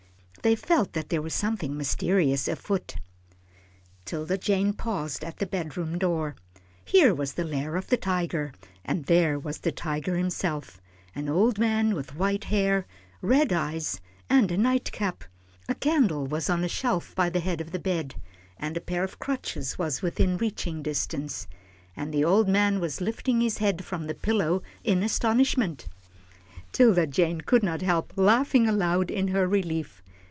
They felt that there was something mysterious afoot. 'Tilda Jane paused at the bedroom door. Here was the lair of the tiger, and there was the tiger himself, an old man with white hair, red eyes, and a night cap. A candle was on a shelf by the head of the bed, and a pair of crutches was within reaching distance, and the old man was lifting his head from the pillow in astonishment. 'Tilda Jane could not help laughing aloud in her relief.